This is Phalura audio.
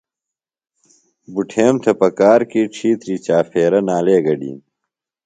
بُٹھیم تھےۡ پکار کی ڇِھیتری چاپھیرہ نالے گڈِین۔